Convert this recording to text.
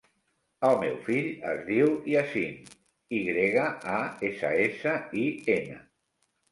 El meu fill es diu Yassin: i grega, a, essa, essa, i, ena.